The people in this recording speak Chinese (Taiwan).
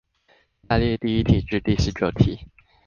下列第一題至第十九題